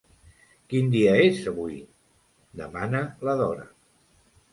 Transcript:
Quin dia és, avui? —demana la Dora.